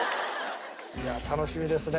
いや楽しみですね。